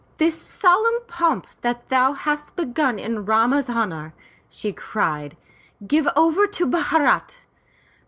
"This solemn pomp that thou hast begun in Rama's honor,*' she cried, give over to Bharat!